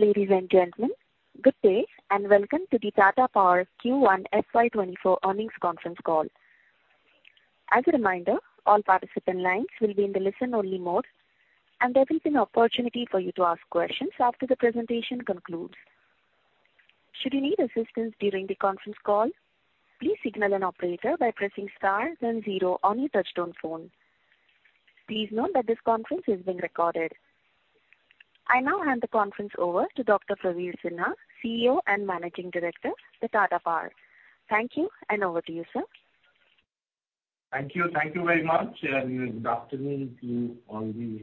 Ladies and gentlemen, good day, and welcome to the Tata Power Q1 FY24 Earnings Conference Call. As a reminder, all participant lines will be in the listen-only mode, and there will be an opportunity for you to ask questions after the presentation concludes. Should you need assistance during the conference call, please signal an operator by pressing star then zero on your touchtone phone. Please note that this conference is being recorded. I now hand the conference over to Dr. Praveer Sinha, CEO and Managing Director of Tata Power. Thank you, and over to you, sir. Thank you. Thank you very much. Good afternoon to all the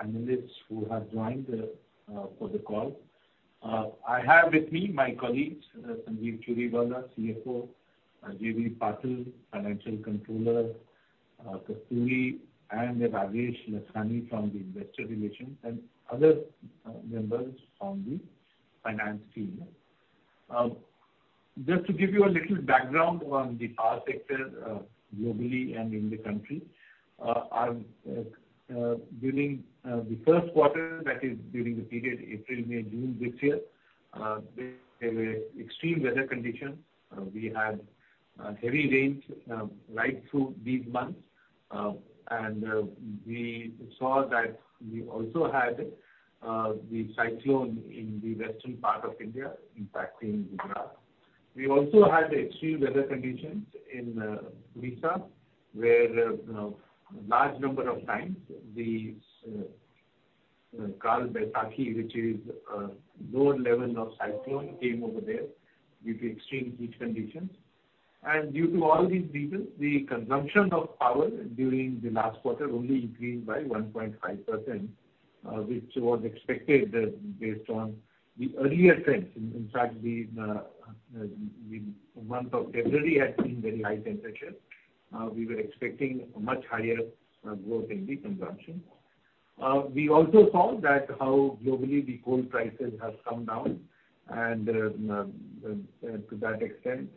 analysts who have joined for the call. I have with me my colleagues, Sanjeev Churiwala, CFO; J.V. Patil, Financial Controller; Kasturi, and Rajesh Lachhani from the investor relations, and other members from the finance team. Just to give you a little background on the power sector, globally and in the country, during the first quarter, that is during the period April, May, June this year, there were extreme weather conditions. We had heavy rains right through these months, and we saw that we also had the cyclone in the western part of India impacting Gujarat. We also had extreme weather conditions in Odisha, where large number of times the called Baisakhi, which is lower level of cyclone, came over there due to extreme heat conditions. Due to all these reasons, the consumption of power during the last quarter only increased by 1.5%, which was expected based on the earlier trends. In fact, the month of February had seen very high temperature. We were expecting a much higher growth in the consumption. We also saw that how globally the coal prices have come down, and to that extent,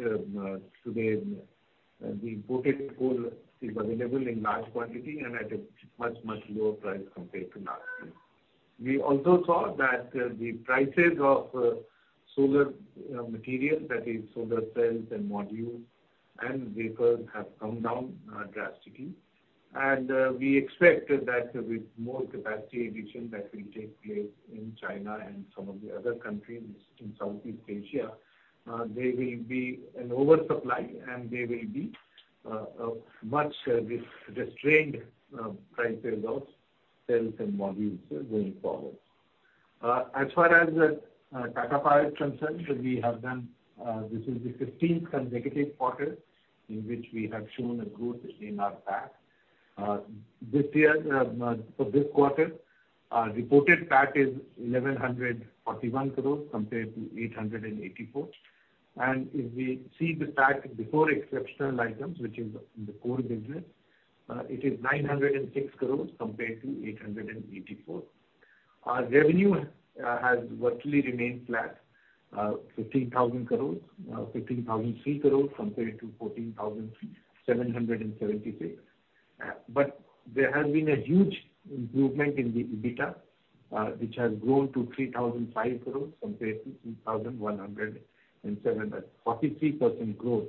today, the imported coal is available in large quantity and at a much, much lower price compared to last year. We also saw that the prices of solar materials, that is solar cells and modules and waivers have come down drastically. We expect that with more capacity addition that will take place in China and some of the other countries in Southeast Asia, there will be an oversupply, and there will be a much restrained prices of cells and modules going forward. As far as Tata Power is concerned, we have done, this is the 15th consecutive quarter in which we have shown a growth in our PAT. This year, for this quarter, our reported PAT is 1,141 crore compared to 884 crore. If we see the PAT before exceptional items, which is the core business, it is 906 crore compared to 884 crore. Our revenue has virtually remained flat, 15,000 crore, 15,003 crore compared to 14,773 crore. There has been a huge improvement in the EBITDA, which has grown to 3,005 crore compared to 2,107 crore, a 43% growth,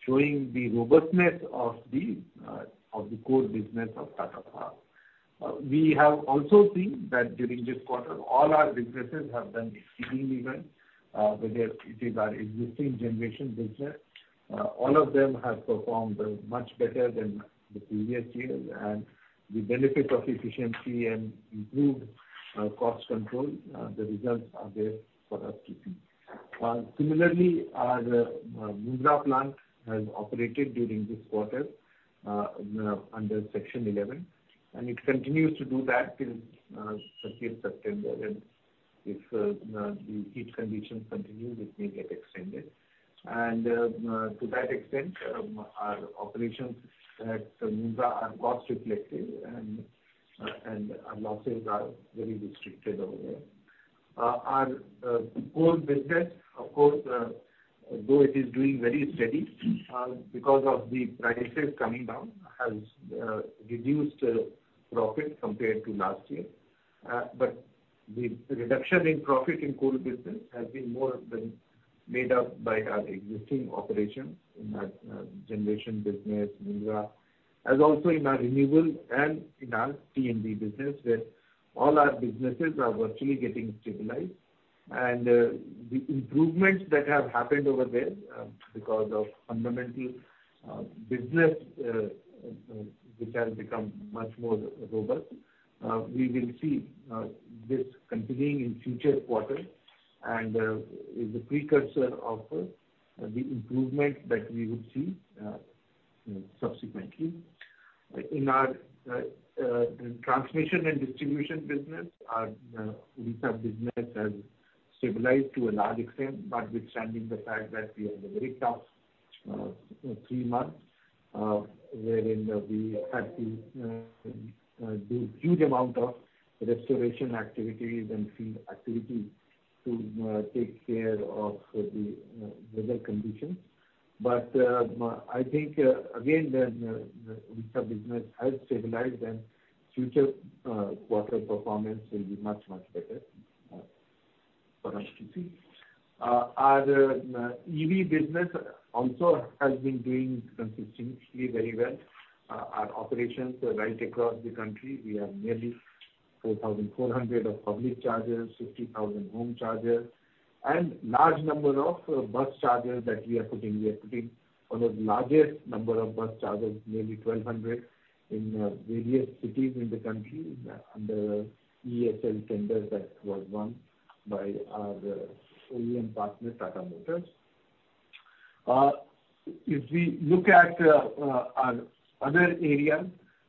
showing the robustness of the core business of Tata Power. We have also seen that during this quarter, all our businesses have done exceedingly well, whether it is our existing generation business, all of them have performed much better than the previous year, and the benefit of efficiency and improved cost control, the results are there for us to see. Similarly, our Mundra plant has operated during this quarter under Section 11, and it continues to do that till September 30th, and if the heat conditions continue, it may get extended. To that extent, our operations at Mundra are cost reflective, and our losses are very restricted over there. Our core business, of course, though it is doing very steady, because of the prices coming down, has reduced profit compared to last year. But the reduction in profit in coal business has been more than made up by our existing operations in our generation business, Mundra, and also in our renewables and in our T&D business, where all our businesses are virtually getting stabilized. The improvements that have happened over there, because of fundamental business, which has become much more robust, we will see this continuing in future quarters and is a precursor of the improvement that we would see subsequently. In our transmission and distribution business, our recent business has stabilized to a large extent, notwithstanding the fact that we had a very tough three months, wherein we had to do huge amount of restoration activities and field activities, to take care of the weather conditions. My, I think, again, the wheelchair business has stabilized and future quarter performance will be much, much better for us to see. Our EV business also has been doing consistently very well. Our operations are right across the country. We have nearly 4,400 of public chargers, 50,000 home chargers, and large number of bus chargers that we are putting. We are putting one of the largest number of bus chargers, nearly 1,200, in various cities in the country, under CESL tender that was won by our OEM partner, Tata Motors. If we look at our other area,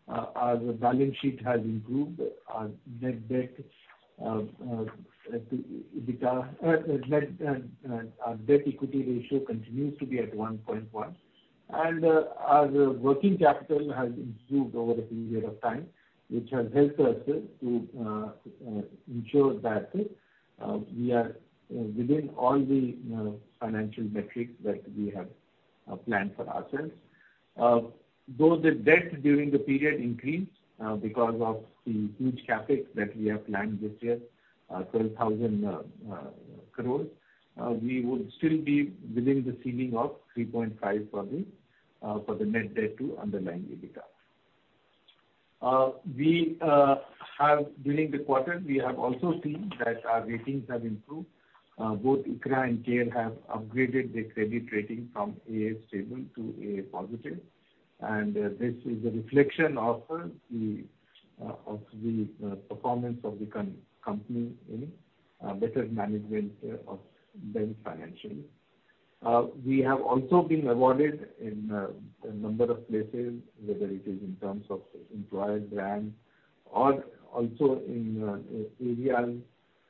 our balance sheet has improved. Our net debt EBITDA, net our debt equity ratio continues to be at 1.1, and our working capital has improved over a period of time, which has helped us to ensure that we are within all the financial metrics that we have planned for ourselves. Though the debt during the period increased because of the huge CapEx that we have planned this year, 12,000 crore, we would still be within the ceiling of 3.5 for the net debt to underlying EBITDA. We have during the quarter, we have also seen that our ratings have improved. Both ICRA and CARE have upgraded their credit rating from AA stable to AA positive. This is a reflection of the performance of the company in better management of them financially. We have also been awarded in a number of places, whether it is in terms of employer brand or also in areas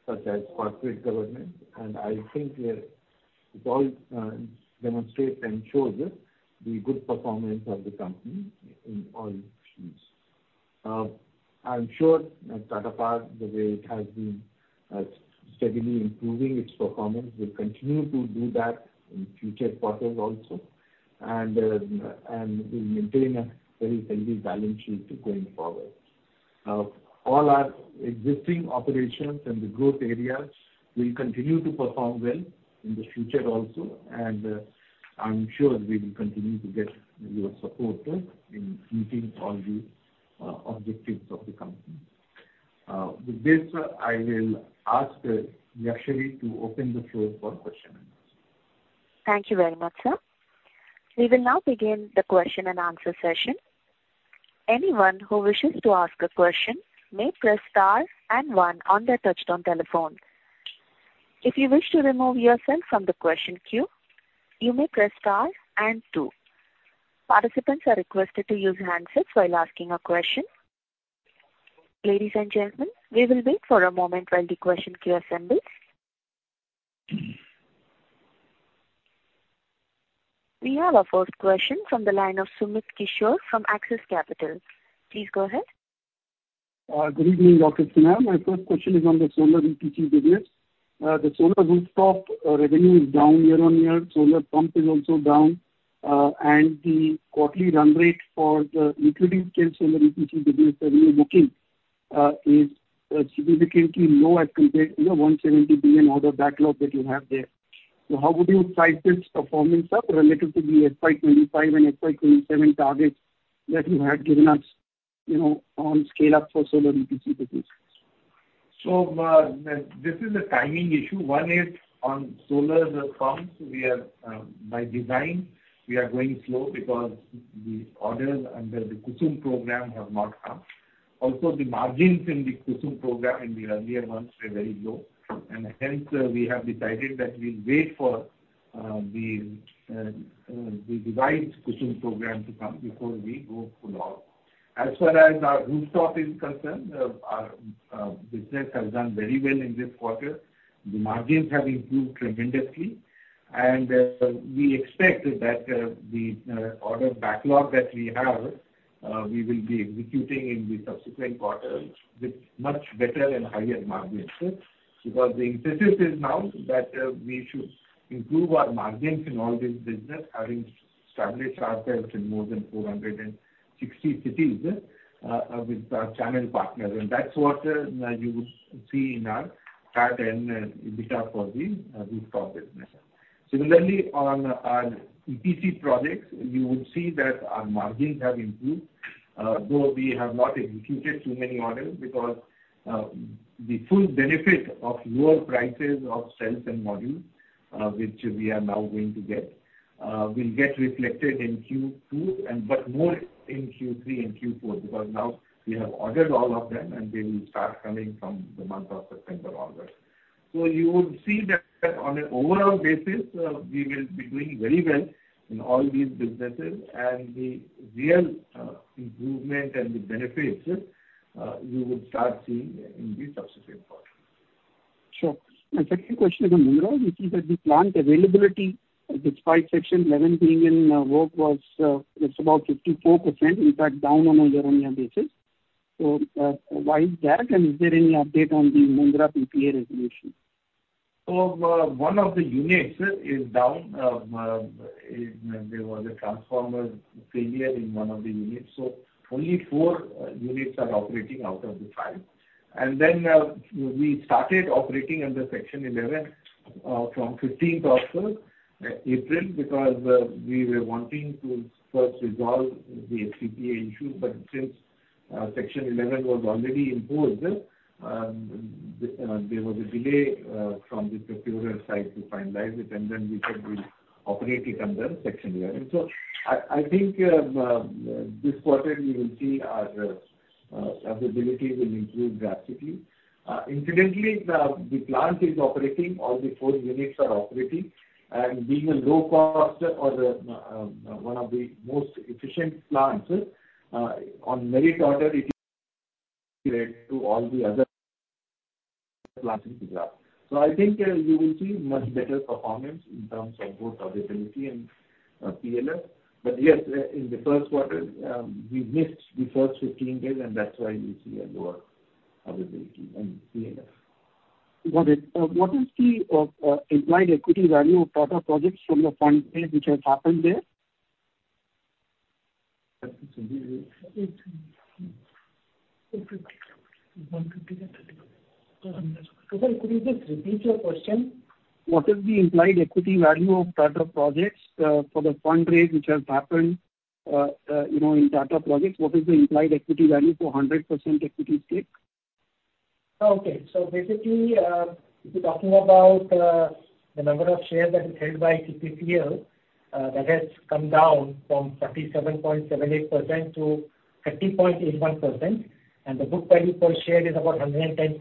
such as corporate government. I think it all demonstrates and shows the good performance of the company in all fields. I'm sure that Tata Power, the way it has been steadily improving its performance, will continue to do that in future quarters also, and we maintain a very healthy balance sheet going forward. All our existing operations and the growth areas will continue to perform well in the future also, and I'm sure we will continue to get your support in meeting all the objectives of the company. With this, I will ask Yakshi to open the floor for question and answer. Thank you very much, sir. We will now begin the question and answer session. Anyone who wishes to ask a question may press star and one on their touch-tone telephone. If you wish to remove yourself from the question queue, you may press star and two. Participants are requested to use handsets while asking a question. Ladies and gentlemen, we will wait for a moment while the question queue assembles. We have our first question from the line of Sumit Kishore from Axis Capital. Please go ahead. Good evening, Dr. Sinha. My first question is on the solar EPC business. The solar rooftop revenue is down year-on-year. Solar pump is also down, and the quarterly run rate for the utility-scale solar EPC business that you're booking is significantly low as compared to the 170 billion order backlog that you have there. How would you price this performance up relative to the FY25 and FY27 targets that you had given us, you know, on scale-up for solar EPC business? This is a timing issue. One is on solar pumps. We are, by design, we are going slow because the orders under the KUSUM program have not come. The margins in the KUSUM program in the earlier months were very low, and hence, we have decided that we'll wait for the revised KUSUM program to come before we go full out. As far as our rooftop is concerned, our business has done very well in this quarter. The margins have improved tremendously, and, we expect that the order backlog that we have, we will be executing in the subsequent quarters with much better and higher margins. Because the emphasis is now that we should improve our margins in all these business, having established ourselves in more than 460 cities with our channel partners. That's what you would see in our PAT and EBITDA for the rooftop business. Similarly, on our EPC products, you would see that our margins have improved, though we have not executed too many orders because the full benefit of lower prices of cells and modules, which we are now going to get, will get reflected in Q2, and but more in Q3 and Q4, because now we have ordered all of them, and they will start coming from the month of September onwards. You would see that on an overall basis, we will be doing very well in all these businesses and the real, improvement and the benefits, you would start seeing in the subsequent quarters. Sure. My second question is on Mundra, we see that the plant availability, despite Section 11 being in work, was, it's about 54%, in fact, down on a year-on-year basis. Why is that, and is there any update on the Mundra PPA resolution? One of the units is down. There was a transformer failure in one of the units, so only four units are operating out of the five. We started operating under Section 11 from April 15th, because we were wanting to first resolve the FPA issue. Since Section 11 was already imposed, there was a delay from the procedural side to finalize it, and then we had been operating under Section 11. I think this quarter you will see our availability will improve drastically. Incidentally, the plant is operating, all the four units are operating, and being a low cost or one of the most efficient plants on merit order, it is related to all the other plants as well. I think, you will see much better performance in terms of both availability and PLF. Yes, in the first quarter, we missed the first 15 days, and that's why you see a lower availability and PLF. Got it. What is the implied equity value of Tata Projects from the fundraise which has happened there? Sir, could you just repeat your question? What is the implied equity value of Tata Projects for the fundraise which has happened, you know, in Tata Projects, what is the implied equity value for 100% equity stake? Basically, you're talking about the number of shares that is held by TPPL. That has come down from 37.78% to 30.81%, and the book value per share is about 110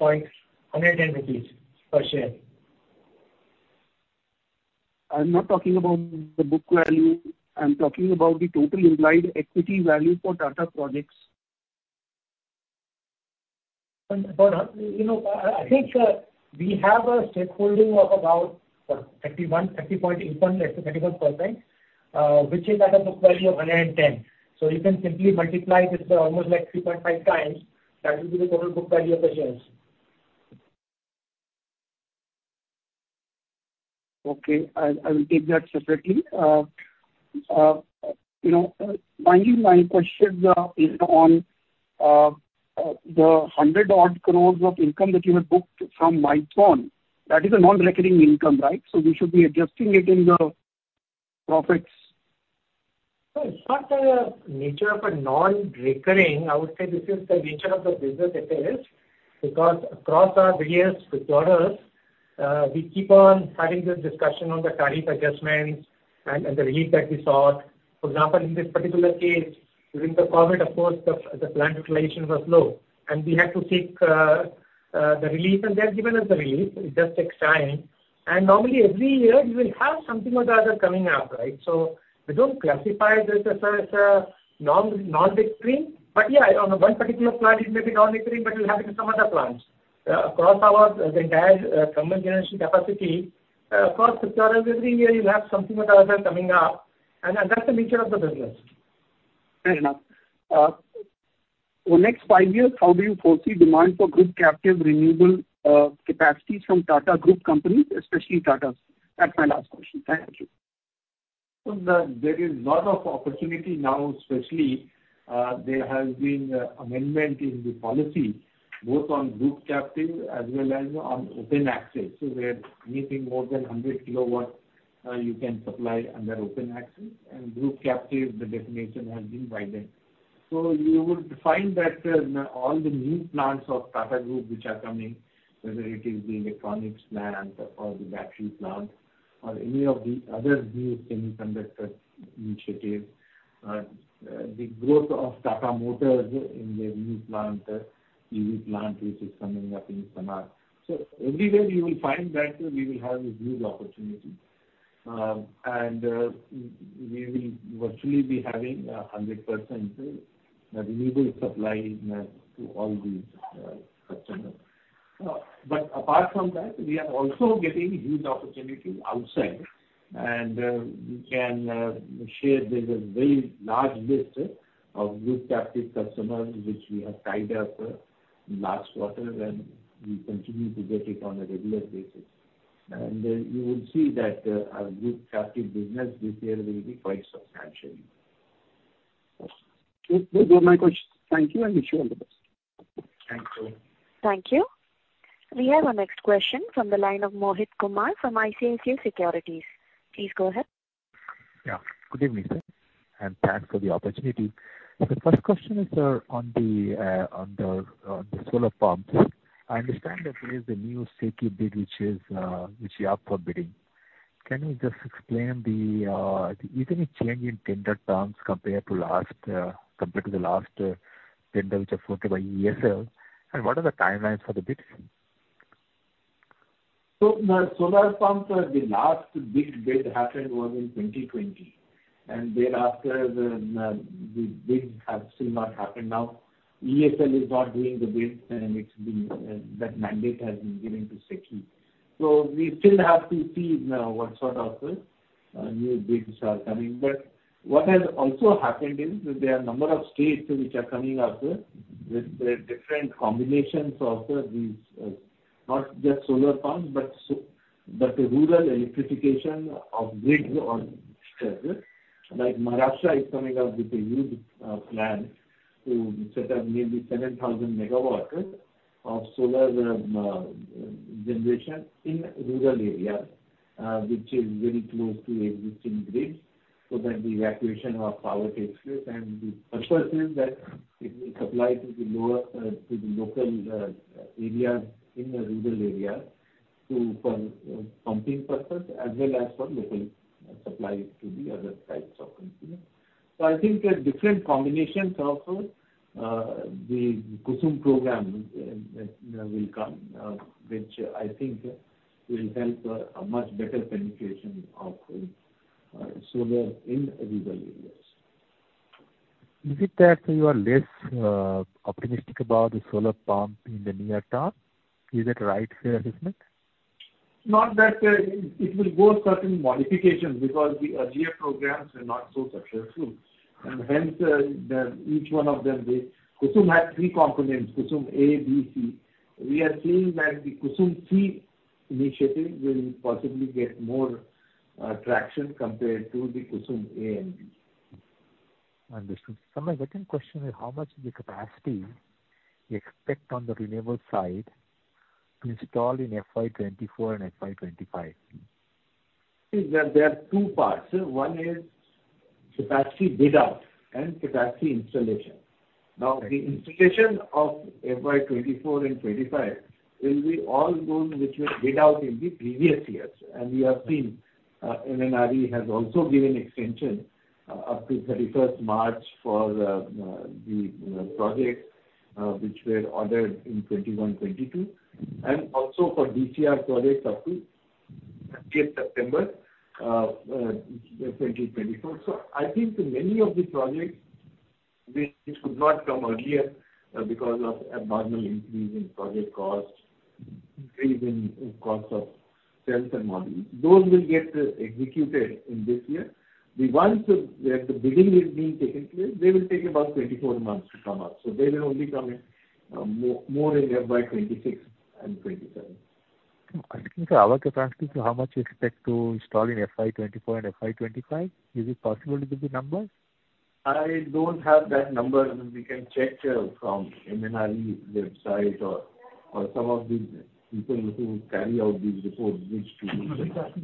rupees per share. I'm not talking about the book value. I'm talking about the total implied equity value for Tata Projects. For, for, you know, I, I think, we have a shareholding of about 31%, 30.81%-31%, which is at a book value of 110. You can simply multiply this by almost like 3.5x. That will be the total book value of the shares. Okay, I will keep that separately. You know, finally, my question is on the 100 odd crores of income that you have booked from Maithon. That is a non-recurring income, right? So you should be adjusting it in the profits No, it's not a nature of a non-recurring. I would say this is the nature of the business it is, because across our various customers, we keep on having this discussion on the tariff adjustments and the relief that we sought. For example, in this particular case, during the COVID, of course, the plant utilization was low, and we had to seek the relief, and they have given us the relief. It just takes time. Normally, every year, you will have something or the other coming up, right? We don't classify this as a non-recurring. Yeah, on the one particular plant, it may be non-recurring, but it will happen in some other plants. Across our, the entire, thermal generation capacity, across the year, every year you have something or the other coming up, and that's the nature of the business. Fair enough. For next five years, how do you foresee demand for group captive renewable capacities from Tata Group companies, especially Tata? That's my last question. Thank you. The, there is lot of opportunity now, especially, there has been amendment in the policy, both on group captive as well as on open access. Where anything more than 100 kW, you can supply under open access. Group captive, the definition has been widened. You would find that, all the new plants of Tata Group which are coming, whether it is the electronics plant or the battery plant or any of the other new semiconductor initiatives, the growth of Tata Motors in the new plant, EV plant, which is coming up in Sanand. Everywhere you will find that we will have a huge opportunity, and we will virtually be having 100% renewable supply to all these customers. Apart from that, we are also getting huge opportunities outside. We can share there's a very large list of group captive customers which we have tied up last quarter, and we continue to get it on a regular basis. You will see that our group captive business this year will be quite substantial. These are my questions. Thank you. Wish you all the best. Thank you. Thank you. We have our next question from the line of Mohit Kumar from ICICI Securities. Please go ahead. Yeah. Good evening, sir, thanks for the opportunity. The first question is on the on the the solar pumps. I understand that there is a new SECI bid, which is which you are bidding. Can you just explain the, is there any change in tender terms compared to last compared to the last tender, which was floated by CESL? What are the timelines for the bids? The solar pumps, the last big bid happened was in 2020, and thereafter, the bids have still not happened. Now, CESL is not doing the bid, and it's been that mandate has been given to SECI. We still have to see what sort of new bids are coming. But what has also happened is that there are a number of states which are coming up with, with different combinations of these, not just solar pumps, but the rural electrification of grids. Like Maharashtra is coming up with a huge plan to set up nearly 7,000 MW of solar generation in rural areas, which is very close to existing grids, so that the evacuation of power takes place. The purpose is that it will supply to the lower, to the local, areas in the rural areas, to, for pumping purpose, as well as for local supply to the other types of consumers. I think the different combinations of the KUSUM program will come, which I think will help a much better penetration of solar in rural areas. Is it that you are less optimistic about the solar pump in the near term? Is that right assessment? Not that, it will go certain modifications, because the earlier programs were not so successful. Hence, the each one of them, KUSUM has three components, KUSUM A, B, C. We are seeing that the KUSUM C initiative will possibly get more traction compared to the KUSUM A and B. Understood. My second question is: how much is the capacity you expect on the renewable side to install in FY 24 and FY 25? There, there are two parts. One is capacity bid out and capacity installation. Now, the installation of FY24 and FY25 will be all those which were bid out in the previous years. We have seen MNRE has also given extension up to March 31st for the projects which were ordered in 2021, 2022, and also for DCR projects up to September 30th, 2024. I think many of the projects which could not come earlier because of abnormal increase in project costs, increase in costs of cells and modules, those will get executed in this year. The ones that the bidding is being taken place, they will take about 24 months to come up, so they will only come in more, more in FY26 and FY27. I think our capacity, how much you expect to install in FY24 and FY25? Is it possible to give the numbers? I don't have that number. We can check from MNRE website or some of the people who carry out these reports.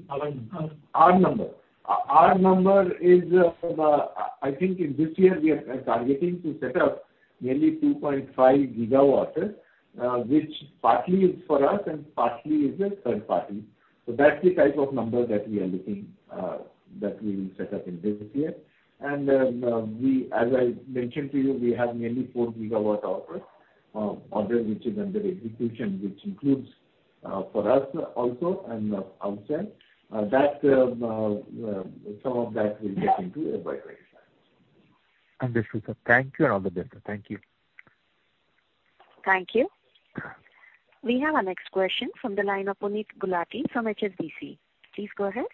Our number. Our number. Our number is, I, I think in this year we are targeting to set up nearly 2.5 GW, which partly is for us and partly is a third party. That's the type of number that we are looking, that we will set up in this year. As I mentioned to you, we have nearly 4 GWh order, which is under execution, which includes for us also and outside. That, some of that will get into FY25. Understood, sir. Thank you, and all the best. Thank you. Thank you. We have our next question from the line of Puneet Gulati from HSBC. Please go ahead.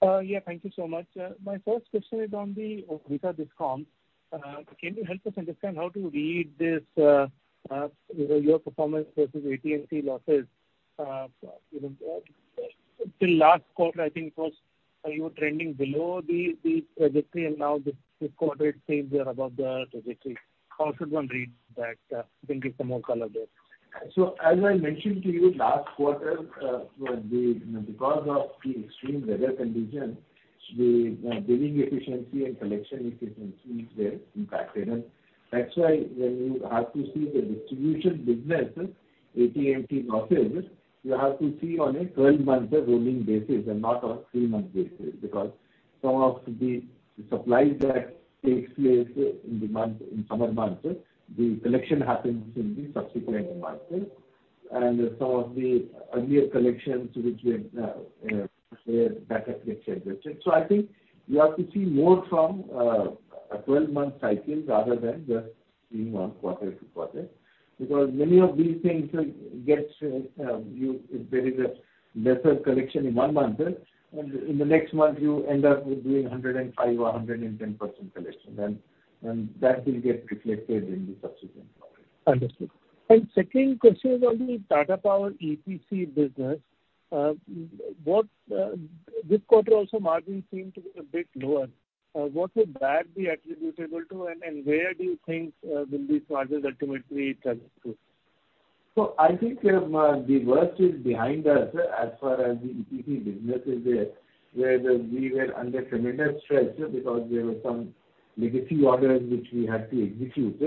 Yeah, thank you so much. My first question is on the Odisha DISCOM. Can you help us understand how to read this, your performance versus AT&C losses? You know, till last quarter, I think it was, you were trending below the, the trajectory, and now this, this quarter it seems you are above the trajectory. How should one read that? You can give some more color there. As I mentioned to you last quarter, because of the extreme weather conditions, the billing efficiency and collection efficiency is impacted. That's why when you have to see the distribution business, AT&C losses, you have to see on a 12-month rolling basis and not on three-month basis. Some of the supply that takes place in the month, in summer months, the collection happens in the subsequent months. Some of the earlier collections, which were better collected. I think you have to see more from a 12-month cycle rather than just seeing on quarter-to-quarter. Many of these things gets, there is a lesser collection in one month, and in the next month you end up with doing 105% or 110% collection, and that will get reflected in the subsequent quarters. Understood. Second question is on the Tata Power EPC business. What... This quarter also, margins seem to be a bit lower. What would that be attributable to, and where do you think, will these margins ultimately turn to? I think the worst is behind us, as far as the EPC business is there, where we were under tremendous stress because there were some legacy orders which we had to execute.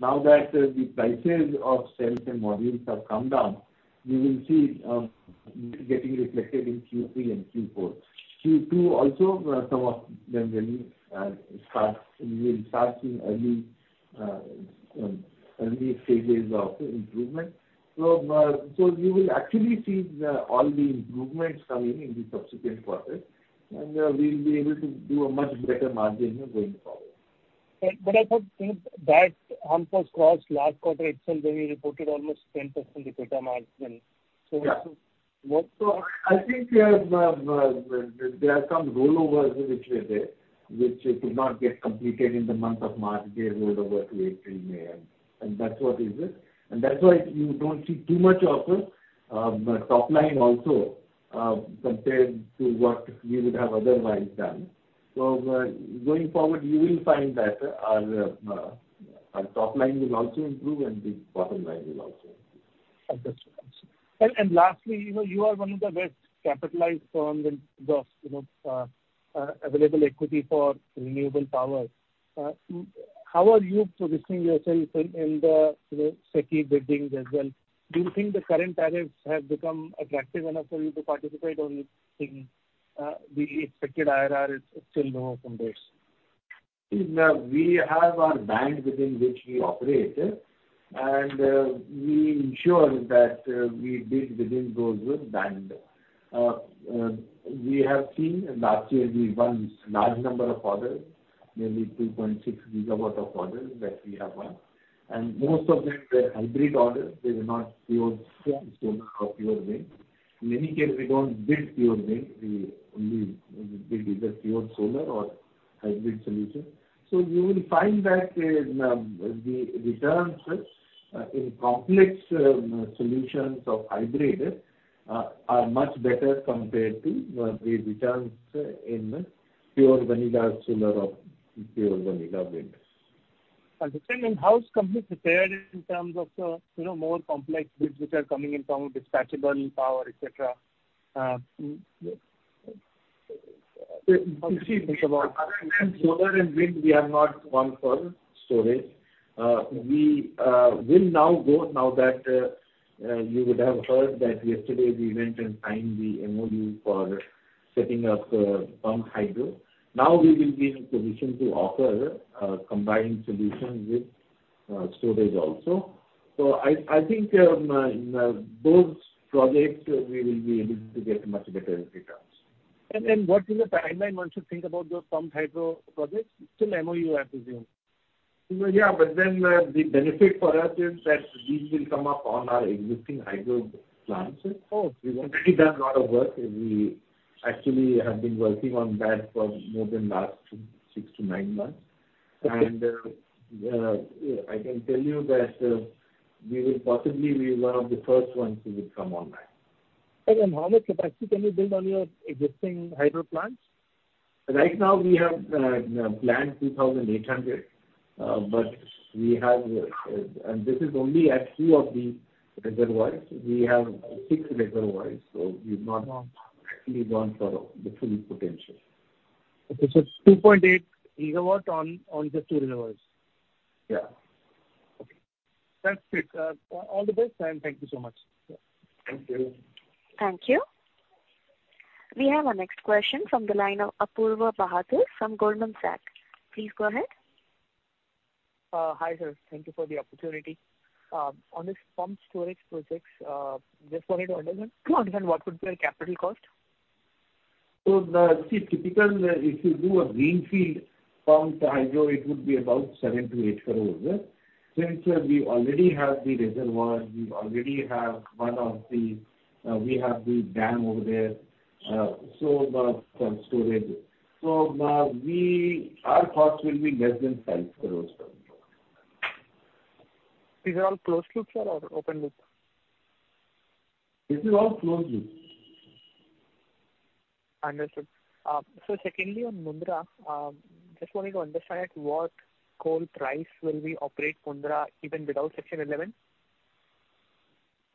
Now that the prices of cells and modules have come down, we will see getting reflected in Q3 and Q4. Q2 also, some of them will start seeing early stages of improvement. You will actually see the, all the improvements coming in the subsequent quarters, and we'll be able to do a much better margin going forward. but I thought that hump was crossed last quarter itself, when we reported almost 10% EBITDA margin. So Yeah. I think there, there are some rollovers which were there, which could not get completed in the month of March. They rolled over to April, May, and that's what is it. That's why you don't see too much of top line also compared to what we would have otherwise done. Going forward, you will find that our top line will also improve, and the bottom line will also improve. Understood. Lastly, you know, you are one of the best capitalized firms in the, you know, available equity for renewable power. How are you positioning yourself in, in the, you know, city buildings as well? Do you think the current tariffs have become attractive enough for you to participate, or you think the expected IRR is still low from this? See, now, we have our bank within which we operate, we ensure that we bid within those band. We have seen last year, we won large number of orders, nearly 2.6 GWof orders that we have won, and most of them were hybrid orders. They were not pure solar or pure wind. In many cases, we don't bid pure wind. We only bid either pure solar or hybrid solutions. You will find that the returns in complex solutions of hybrid are much better compared to the returns in pure vanilla solar or pure vanilla wind. How is company prepared in terms of the, you know, more complex bids which are coming in from dispatchable power, et cetera? You see, other than solar and wind, we have not won for storage. We will now go now that you would have heard that yesterday we went and signed the MOU for setting up pump hydro. Now, we will be in a position to offer combined solutions with storage also. I think, those projects we will be able to get much better returns. Then what is the timeline one should think about those pump hydro projects? Still MOU, I presume. Yeah, the benefit for us is that these will come up on our existing hydro plants. Of course. We've already done a lot of work. We actually have been working on that for more than last six to nine months. Okay. I can tell you that, we will possibly be one of the first ones who would come online. How much capacity can you build on your existing hydro plants? Right now, we have planned 2,800, but we have. This is only at two of the reservoirs. We have six reservoirs, so we've not- Wow. Actually gone for the full potential. Okay, it's 2.8 GW on just two reservoirs? Yeah. Okay. That's it. All the best, thank you so much. Thank you. Thank you. We have our next question from the line of Apoorva Bahadur from Goldman Sachs. Please go ahead. Hi, sir. Thank you for the opportunity. On this pump storage projects, just wanted to understand... Sure. what would be your capital cost? See, typical, if you do a greenfield pump hydro, it would be about 7-8 crore. Since we already have the reservoir, we already have one of the, we have the dam over there, so the pump storage. We, our cost will be less than 5 crore. These are all closed loops or open loop? This is all closed loop. Understood. secondly, on Mundra, just wanted to understand at what coal price will we operate Mundra, even without Section 11?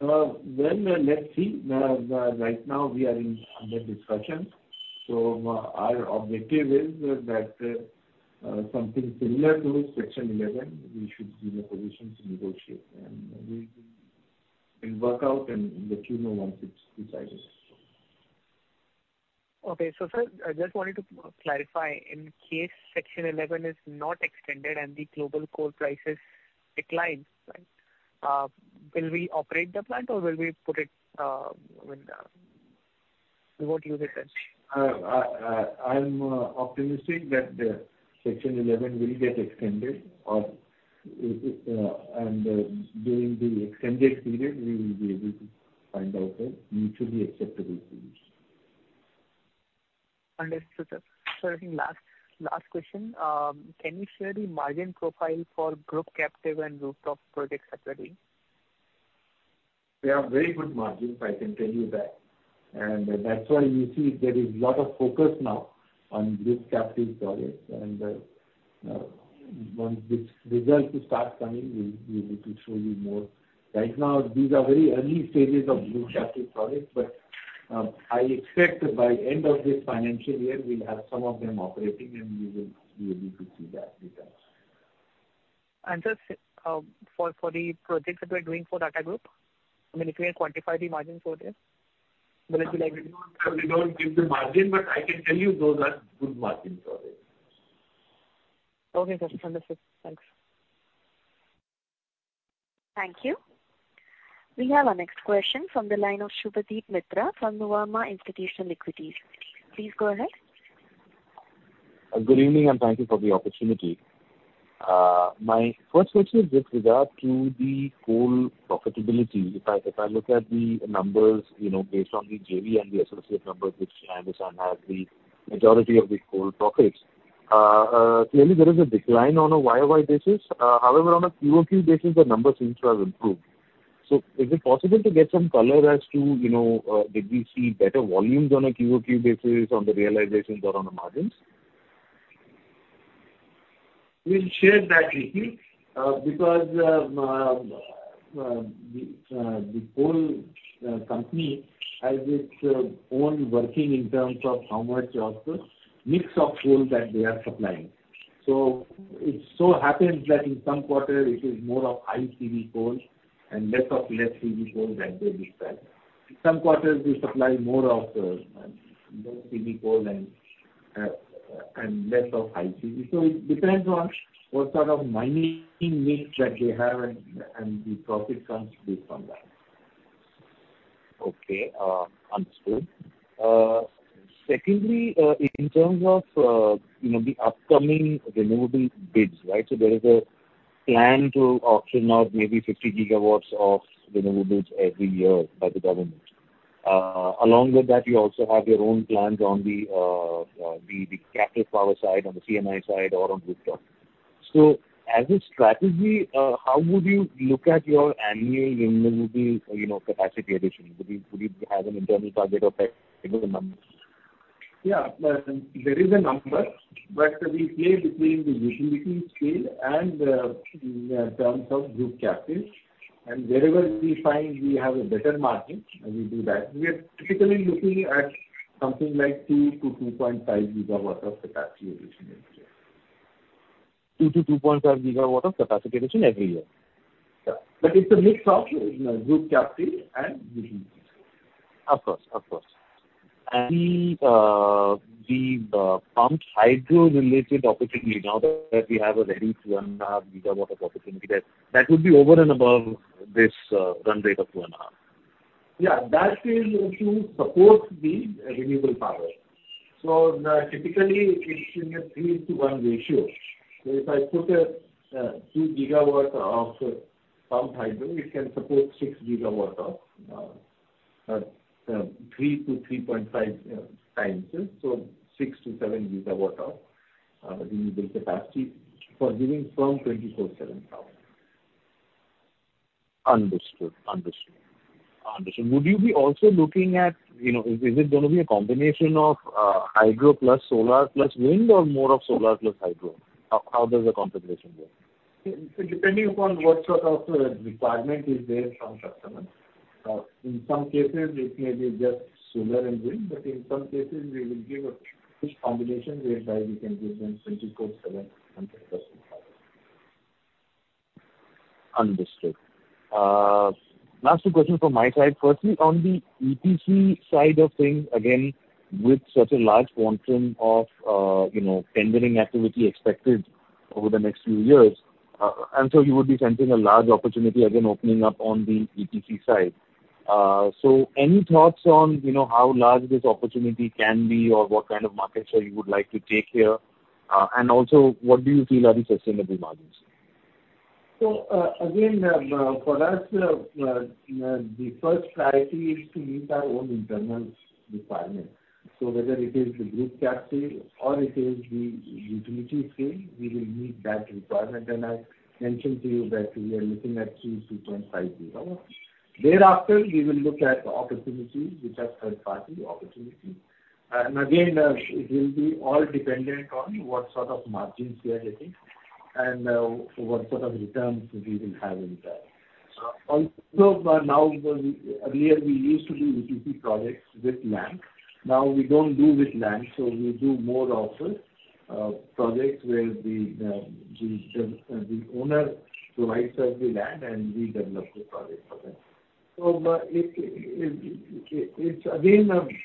Well, let's see. Right now, we are in under discussion. Our objective is that, something similar to Section 11, we should be in a position to negotiate, and we will, we'll work out and let you know once it's decided. Okay. Sir, I just wanted to clarify. In case Section 11 is not extended and the global coal prices decline, right, will we operate the plant or will we put it, I mean, what you were saying? I'm optimistic that Section 11 will get extended or during the extended period, we will be able to find out a mutually acceptable solution. Understood, sir. Sir, I think last, last question. Can you share the margin profile for group captive and rooftop projects that you are doing? They are very good margins, I can tell you that. That's why you see there is a lot of focus now on group captive projects. Once the results start coming, we'll, we'll be able to show you more. Right now, these are very early stages of group captive projects, but I expect that by end of this financial year, we'll have some of them operating, and you will, you will be to see that details. Just, for the projects that we're doing for Adani Group, I mean, if you can quantify the margin for this, will it be like- We don't give the margin, but I can tell you those are good margin projects. Okay, sir. Understood. Thanks. Thank you. We have our next question from the line of Subhadip Mitra from Nuvama Institutional Equities. Please go ahead. Good evening. Thank you for the opportunity. My first question is with regard to the coal profitability. If I, if I look at the numbers, you know, based on the JV and the associate numbers, which I understand, have the majority of the coal profits, clearly there is a decline on a YOY basis. However, on a QOQ basis, the numbers seem to have improved. Is it possible to get some color as to, you know, did we see better volumes on a QOQ basis, on the realizations or on the margins? We'll share that with you, because the coal company has its own working in terms of how much of the mix of coal that they are supplying. It so happens that in some quarters it is more of high CV coal and less of less CV coal that they sell. Some quarters, we supply more of low CV coal and less of high CV. It depends on what sort of mining mix that they have and, and the profit comes based on that. Okay, understood. Secondly, in terms of, you know, the upcoming renewable bids, right? There is a plan to auction out maybe 50 GW of renewables every year by the government. Along with that, you also have your own plans on the, the captive power side, on the C&I side, or on rooftop. As a strategy, how would you look at your annual renewable, you know, capacity addition? Would you, would you have an internal target of that, you know, the numbers? Yeah. There is a number, but we play between the utility scale and, in terms of group captive. Wherever we find we have a better margin, we do that. We are typically looking at something like 2-2.5 GW of capacity addition every year. 2-2.5 GW of capacity addition every year? Yeah. It's a mix of, you know, group captive and utility. Of course. Of course. The pump hydro-related opportunity, now that we have already 2.5 GW of opportunity, that, that would be over and above this run rate of 2.5? Yeah, that is to support the renewable power. Typically, it's in a three to one ratio. If I put a 2 GW of pump hydro, it can support 6 GW of 3-3.5x. 6-7 GW of renewable capacity for giving strong 24/7 power. Understood. Understood. Understood. Would you be also looking at, you know... Is it going to be a combination of hydro plus solar plus wind, or more of solar plus hydro? How does the concentration go? Depending upon what sort of requirement is there from customers. In some cases, it may be just solar and wind, but in some cases we will give a combination whereby we can give them 24/7 consistent power. Understood. Last two questions from my side. Firstly, on the EPC side of things, again, with such a large quantum of, you know, tendering activity expected over the next few years, and so you would be sensing a large opportunity again, opening up on the EPC side. Any thoughts on, you know, how large this opportunity can be or what kind of market share you would like to take here? Also, what do you feel are the sustainable margins? Again, for us, the first priority is to meet our own internal requirements. Whether it is the group captive or it is the utility scale, we will meet that requirement. I mentioned to you that we are looking at 3 GW, 2.5 GW. Thereafter, we will look at opportunities which are third-party opportunities. Again, it will be all dependent on what sort of margins we are getting and what sort of returns we will have in that. Also, now, earlier we used to do EPC projects with land. Now we don't do with land, so we do more of projects where the owner provides us the land and we develop the project for them. It's again, a place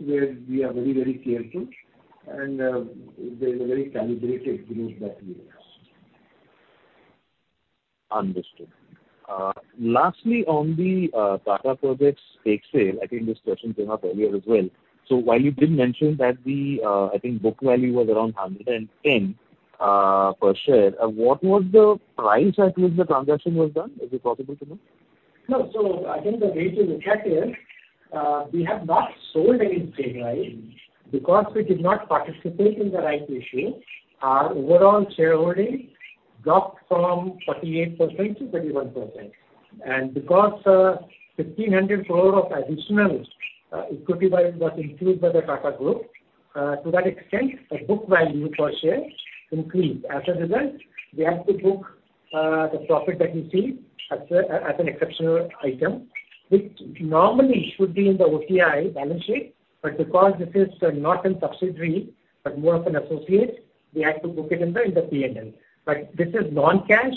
where we are very, very careful and, there is a very calibrated approach that we have. Understood. Lastly, on the Tata Projects stake sale, I think this question came up earlier as well. While you did mention that the, I think book value was around 110 per share, what was the price at which the transaction was done? Is it possible to know? No. I think the way to look at it, we have not sold any stake, right? Because we did not participate in the right issue, our overall shareholding dropped from 48% to 31%. Because 1,500 crore of additional equity was included by the Tata Group, to that extent, the book value per share increased. As a result, we have to book the profit that we see as an exceptional item, which normally should be in the OCI balance sheet, but because this is not a subsidiary, but more of an associate, we had to book it in the P&L. This is non-cash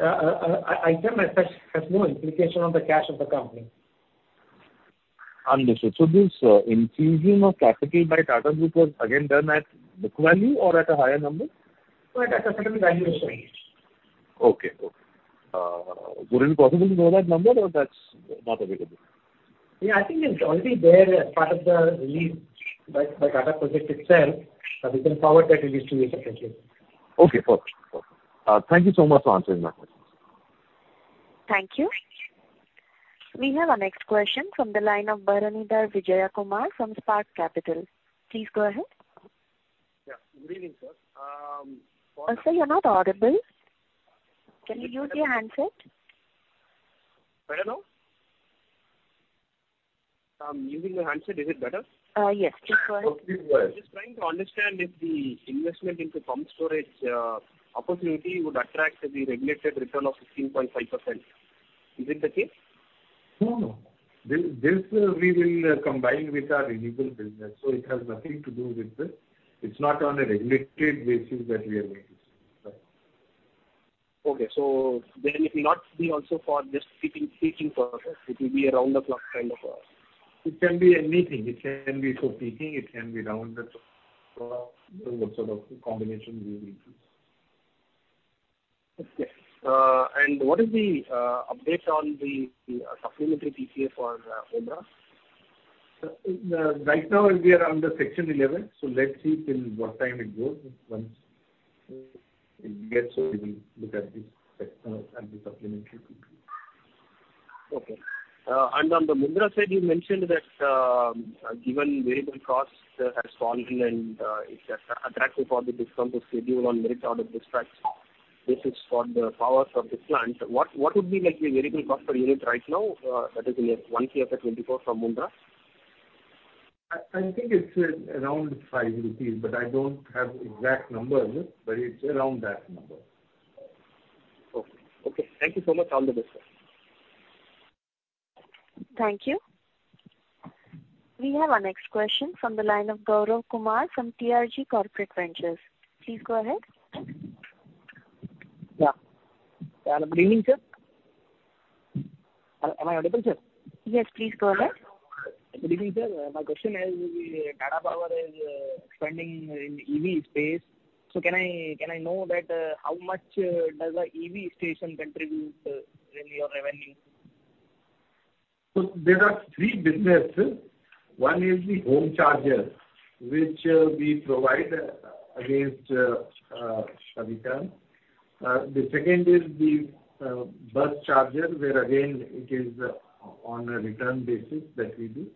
item, as such, has no implication on the cash of the company. Understood. This increasing of capital by Tata Group was again done at book value or at a higher number? At a certain valuation. Okay, okay. Would it be possible to know that number, or that's not available? Yeah, I think it's already there as part of the release by, by Tata Project itself. We can forward that release to you separately. Okay, perfect. Thank you so much for answering my questions. Thank you. We have our next question from the line of Bharanidhar Vijayakumar from Spark Capital. Please go ahead. Yeah, good evening, sir. Sir, you're not audible. Can you use your handset? Better now? I'm using the handset. Is it better? Yes, please go ahead. Okay, go ahead. I'm just trying to understand if the investment into pump storage opportunity would attract the regulated return of 16.5%. Is it the case? No, no. This, this, we will combine with our renewable business. It has nothing to do with the... It's not on a regulated basis that we are doing this. Then it will not be also for just peaking, peaking purposes, it will be a round-the-clock kind of. It can be anything. It can be for peaking, it can be round-the-clock, depending what sort of combination we will use. Okay. What is the update on the supplementary PPA for Mundra? Right now, we are under Section 11. Let's see till what time it goes. Once it gets, we will look at the Section and the supplementary PPA. Okay. On the Mundra side, you mentioned that, given variable costs has fallen, it's attractive for the DISCOM to schedule on merit order dispatch. This is for the powers of the plant. What would be like the variable cost per unit right now that is in Q1 FY24 from Mundra? I, I think it's, around 5 rupees, but I don't have exact numbers, but it's around that number. Okay. Okay, thank you so much. All the best. Thank you. We have our next question from the line of Gaurav Kumar from TRG Corporate Ventures. Please go ahead. Yeah. Good evening, sir. Am I audible, sir? Yes, please go ahead. Good evening, sir. My question is, the Tata Power is expanding in EV space. Can I know that, how much, does the EV station contribute, in your revenue? There are three business. One is the home charger, which, we provide, against, a return. The second is the, bus charger, where again, it is, on a return basis that we do.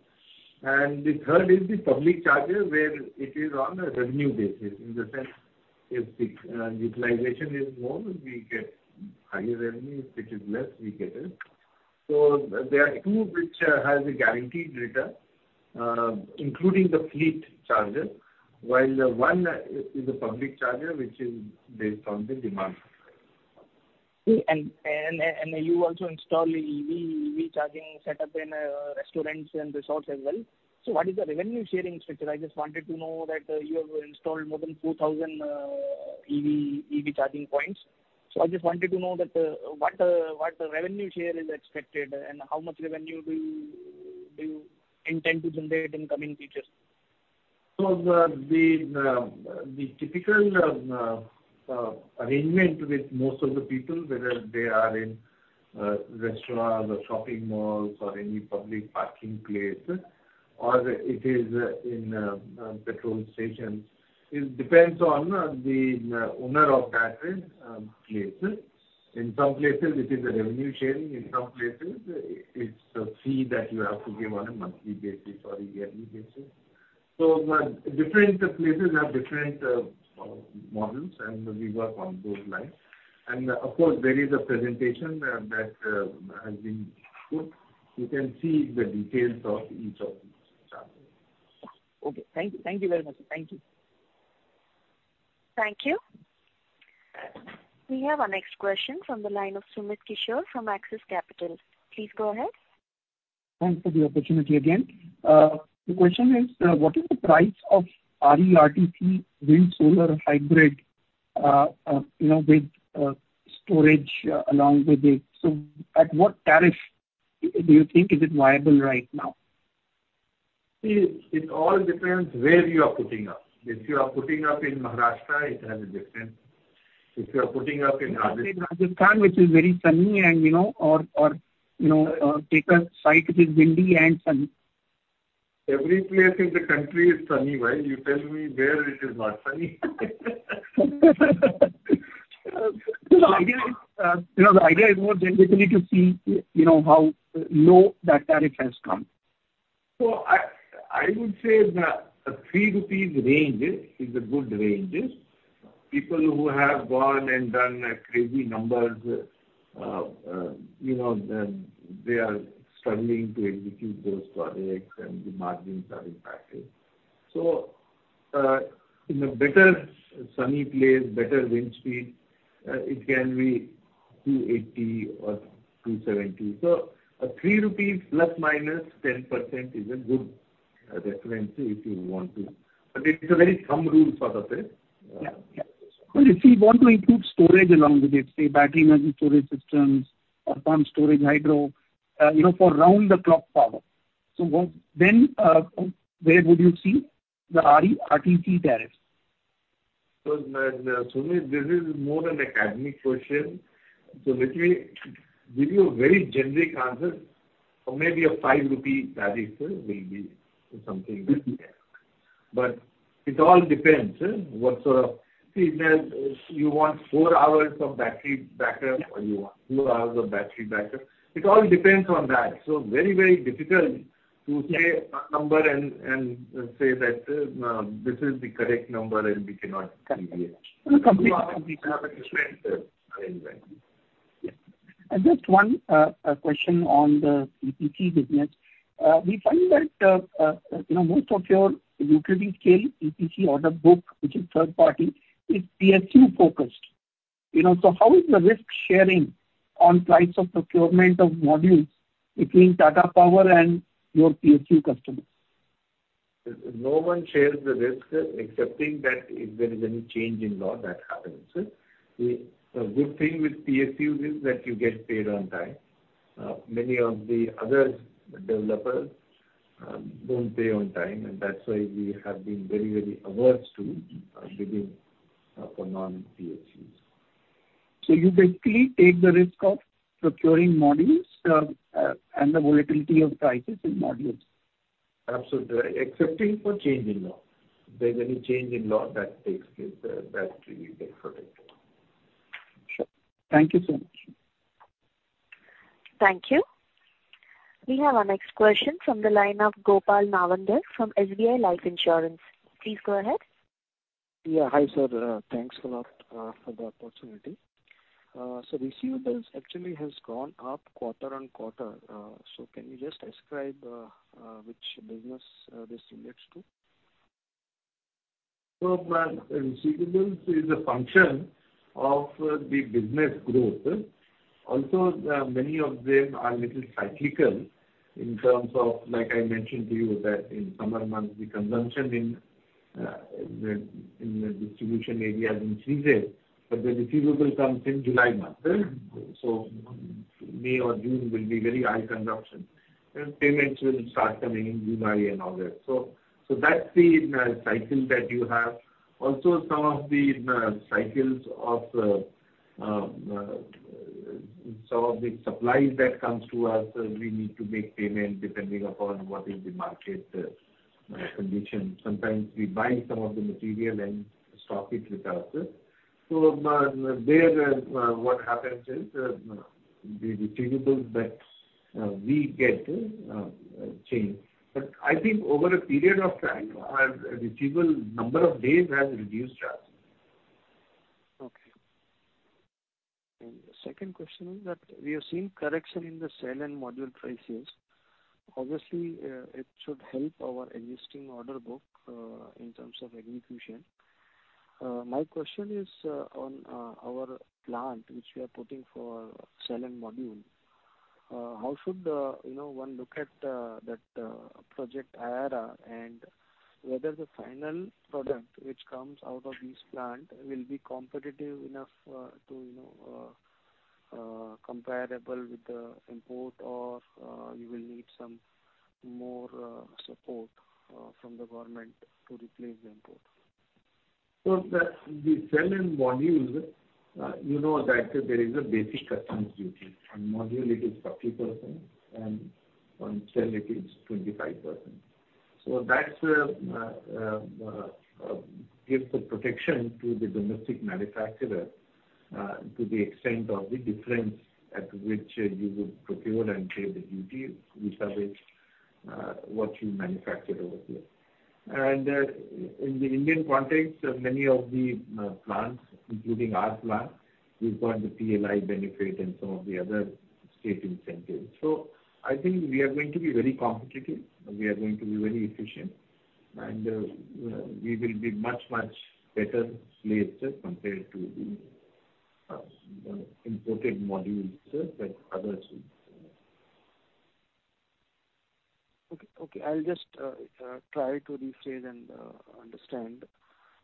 The third is the public charger, where it is on a revenue basis. In the sense, if the, utilization is more, we get higher revenue; if it is less, we get less. There are two which, has a guaranteed return, including the fleet charger, while the one is a public charger, which is based on the demand. You also install the EV, EV charging setup in restaurants and resorts as well. What is the revenue sharing structure? I just wanted to know that you have installed more than 2,000 EV, EV charging points. I just wanted to know that what revenue share is expected, and how much revenue do you, do you intend to generate in coming futures? The typical arrangement with most of the people, whether they are in restaurants or shopping malls or any public parking place, or it is in petrol stations, it depends on the owner of that place. In some places it is a revenue sharing, in some places it's a fee that you have to give on a monthly basis or a yearly basis. The different places have different models, and we work on those lines. Of course, there is a presentation that has been put. You can see the details of each of these charges. Okay. Thank you. Thank you very much. Thank you. Thank you. We have our next question from the line of Sumit Kishore from Axis Capital. Please go ahead. Thanks for the opportunity again. The question is, what is the price of RE-RTC wind-solar hybrid, you know, with storage along with it? At what tariff do you think is it viable right now? It all depends where you are putting up. If you are putting up in Maharashtra, it has a different. If you are putting up in Rajasthan- Rajasthan, which is very sunny and, you know, or, you know, take a site which is windy and sunny. Every place in the country is sunny. Why you tell me where it is not sunny? The idea is, you know, the idea is more generally to see, you know, how low that tariff has come. I, I would say that a 3 rupees range is a good range. People who have gone and done crazy numbers, you know, then they are struggling to execute those projects and the margins are impacted. In a better sunny place, better wind speed, it can be 2.80 or 2.70. A INR 3± 10% is a good range. A reference, if you want to. It's a very thumb rule for that, yeah. Yeah. Well, if you want to include storage along with it, say, battery energy storage systems or pump storage hydro, you know, for round-the-clock power. then, where would you see the RE-RTC tariff? Sunil, this is more an academic question. Let me give you a very generic answer. Maybe an 5 rupee tariff, sir, will be something that we have. It all depends, what sort of- see, then, if you want four hours of battery backup, or you want two hours of battery backup, it all depends on that. Very, very difficult to say a number and, and say that, this is the correct number, and we cannot give you. Correct. We cannot explain, sir, anyway. Yeah. Just one question on the EPC business. We find that, you know, most of your utility-scale EPC order book, which is third party, is PSU-focused. You know, how is the risk sharing on price of procurement of modules between Tata Power and your PSU customers? No one shares the risk, excepting that if there is any change in law that happens. The, the good thing with PSU is that you get paid on time. Many of the other developers don't pay on time, and that's why we have been very, very averse to bidding for non-PSUs. You basically take the risk of procuring modules, and the volatility of prices in modules? Absolutely. Excepting for change in law. If there's any change in law that takes place, that you get protected. Sure. Thank you so much. Thank you. We have our next question from the line of Gopal Nawandhar from SBI Life Insurance. Please go ahead. Yeah. Hi, sir. Thanks a lot for the opportunity. Receivables actually has gone up quarter-on-quarter. Can you just describe which business this relates to? Receivables is a function of the business growth. Also, many of them are little cyclical in terms of, like I mentioned to you, that in summer months, the consumption in the distribution area increases, but the receivable comes in July month. May or June will be very high consumption, and payments will start coming in July and August. That's the cycle that you have. Also some of the cycles of some of the supplies that comes to us, we need to make payment depending upon what is the market condition. Sometimes we buy some of the material and stock it with us. There, what happens is, the receivables that we get change. I think over a period of time, our receivable number of days has reduced us. Okay. The second question is that we are seeing correction in the cell and module prices. Obviously, it should help our existing order book in terms of execution. My question is on our plant, which we are putting for cell and module, how should, you know, one look at that project IRR, and whether the final product which comes out of this plant will be competitive enough to, you know, comparable with the import, or you will need some more support from the government to replace the import? The, the cell and module, you know that there is a basic customs duty. On module, it is 30%, and on cell, it is 25%. That's gives the protection to the domestic manufacturer to the extent of the difference at which you would procure and pay the duty, which are the what you manufacture over here. In the Indian context, many of the plants, including our plant, we've got the PLI benefit and some of the other state incentives. I think we are going to be very competitive, and we are going to be very efficient, and we will be much, much better placed compared to the imported modules that others will. Okay, okay. I'll just try to restate and understand.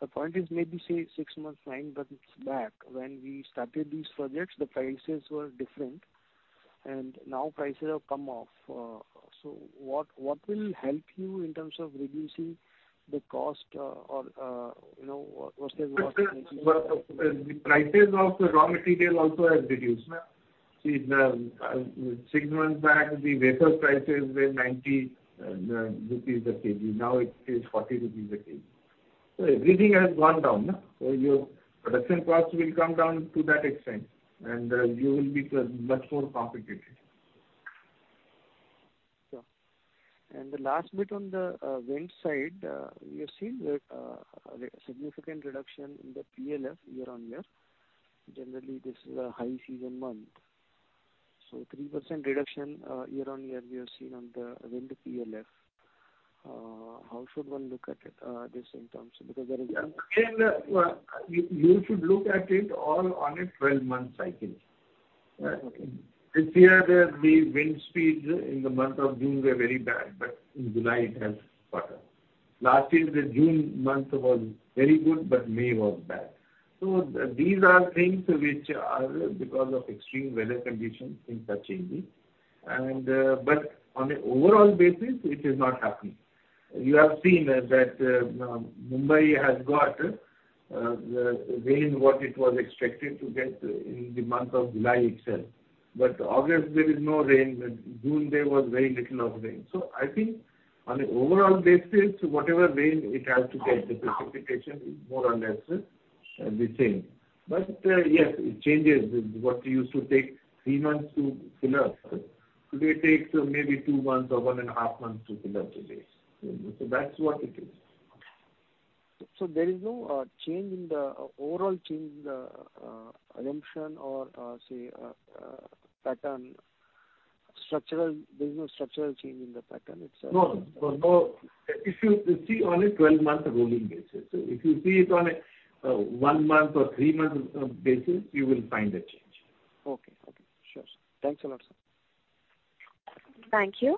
The point is, maybe, say, six months time, but it's back. When we started these projects, the prices were different, and now prices have come off. What will help you in terms of reducing the cost, or, you know, what are the- The prices of the raw material also have reduced. Six months back, the wafer prices were 90 rupees a kg. Now it is 40 rupees a kg. Everything has gone down, so your production cost will come down to that extent, and you will be much more competitive. Sure. The last bit on the wind side, we have seen that a significant reduction in the PLF year-on-year. Generally, this is a high season month. 3% reduction year-on-year, we have seen on the wind PLF. How should one look at it, this in terms, because there is- Again, you, you should look at it all on a 12-month cycle. This year, the, the wind speeds in the month of June were very bad, but in July it has better. Last year, the June month was very good, but May was bad. These are things which are because of extreme weather conditions, things are changing. But on an overall basis, it is not happening. You have seen that Mumbai has got the rain, what it was expected to get in the month of July itself. August, there is no rain. June, there was very little of rain. I think on an overall basis, whatever rain it has to get, the precipitation is more or less the same. Yes, it changes. What used to take three months to fill up, today it takes maybe two months or one and a half months to fill up today. That's what it is. There is no change in the overall change in the assumption or say pattern, there's no structural change in the pattern itself? No. No. If you see on a 12-month rolling basis, so if you see it on a one month or three-month basis, you will find a change. Okay. Okay. Sure. Thanks a lot, sir. Thank you.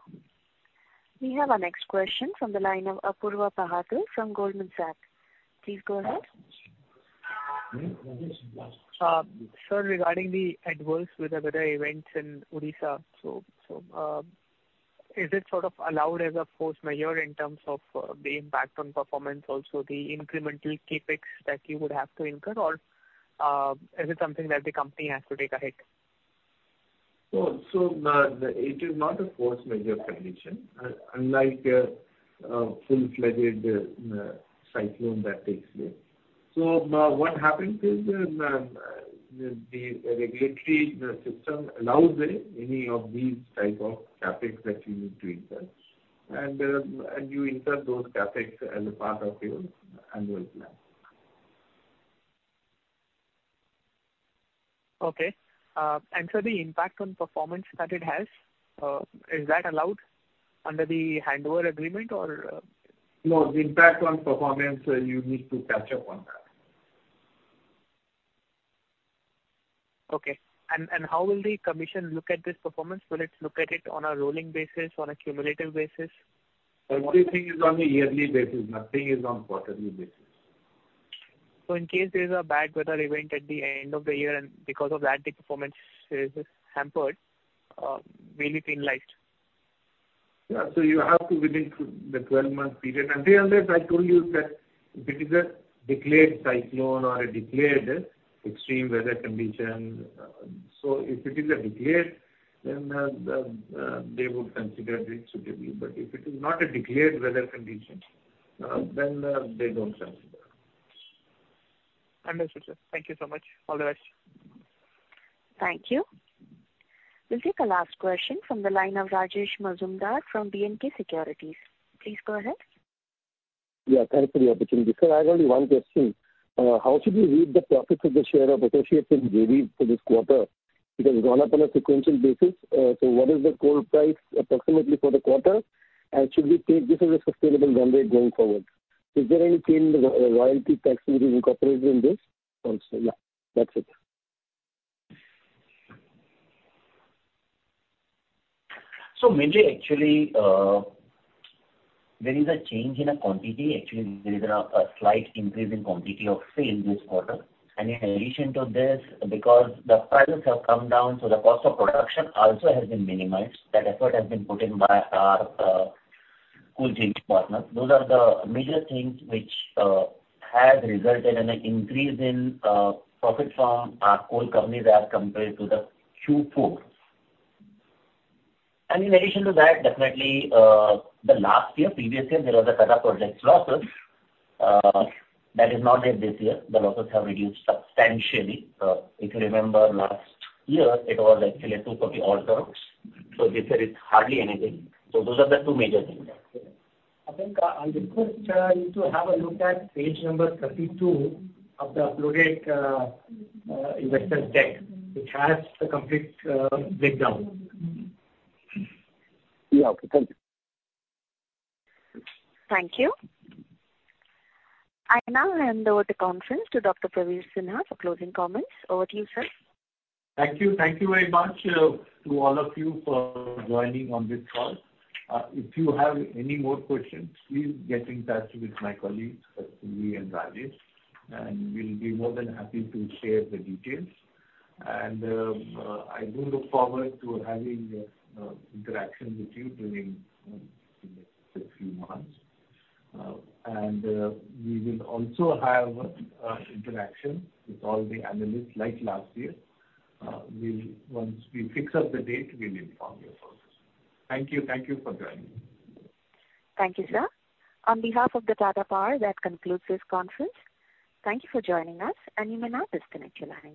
We have our next question from the line of Apoorva Bahadur from Goldman Sachs. Please go ahead. Sir, regarding the adverse weather, weather events in Odisha, so, so, is it sort of allowed as a force majeure in terms of, the impact on performance, also the incremental CapEx that you would have to incur? Is it something that the company has to take a hit? It is not a force majeure condition, unlike a full-fledged cyclone that takes place. What happens is, the regulatory system allows any of these type of CapEx that you need to incur, and you incur those CapEx as a part of your annual plan. Okay. The impact on performance that it has, is that allowed under the handover agreement, or? No, the impact on performance, you need to catch up on that. Okay. How will the commission look at this performance? Will it look at it on a rolling basis, on a cumulative basis? Everything is on a yearly basis. Nothing is on quarterly basis. In case there's a bad weather event at the end of the year, and because of that, the performance is, is hampered, will it be penalized? Yeah. You have to within the 12-month period. Earlier, I told you that if it is a declared cyclone or a declared extreme weather condition, then they would consider it suitably. If it is not a declared weather condition, then they don't consider. Understood, sir. Thank you so much. All the best. Thank you. We'll take a last question from the line of Rajesh Majumdar from B&K Securities. Please go ahead. Yeah, thank you for the opportunity. Sir, I have only one question. How should we read the profit of the share of associates and J.V. for this quarter? It has gone up on a sequential basis. What is the coal price approximately for the quarter? Should we take this as a sustainable runway going forward? Is there any change in the royalty tax which is incorporated in this also? Yeah, that's it. Mainly, actually, there is a change in a quantity. Actually, there is a slight increase in quantity of sale this quarter. In addition to this, because the prices have come down, the cost of production also has been minimized. That effort has been put in by our coal chain partner. Those are the major things which have resulted in an increase in profit from our coal companies as compared to the Q4. In addition to that, definitely, the last year, previous year, there was a Tata Projects losses. That is not there this year. The losses have reduced substantially. If you remember last year, it was actually a super odd loss. This year it's hardly anything. Those are the two major things. I think, I request, you to have a look at page number 32 of the uploaded, investor deck, which has the complete, breakdown. Yeah. Okay. Thank you. Thank you. I now hand over the conference to Dr. Praveer Sinha for closing comments. Over to you, sir. Thank you. Thank you very much to all of you for joining on this call. If you have any more questions, please get in touch with my colleagues, Pratibha and Rajesh, and we'll be more than happy to share the details. I do look forward to having interaction with you during in the next few months. We will also have interaction with all the analysts like last year. Once we fix up the date, we will inform you folks. Thank you. Thank you for joining. Thank you, sir. On behalf of Tata Power, that concludes this conference. Thank you for joining us, and you may now disconnect your lines.